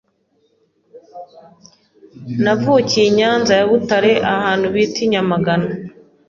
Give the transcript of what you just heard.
navukiye I nyanza ya butare ahantu bita I nyamagana,